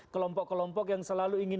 kelompok kelompok yang selalu ingin